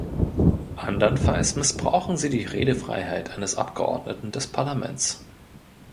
Andernfalls missbrauchen Sie die Redefreiheit eines Abgeordneten des Parlaments.